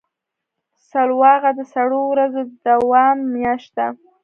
سلواغه د سړو ورځو د دوام میاشت ده.